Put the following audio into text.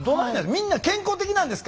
みんな健康的なんですか？